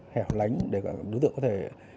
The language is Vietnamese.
hẻo lánh để đối tượng có thể